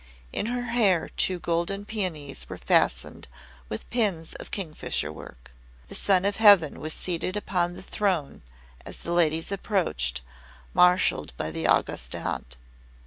In her hair two golden peonies were fastened with pins of kingfisher work. The Son of Heaven was seated upon the throne as the ladies approached, marshaled by the August Aunt.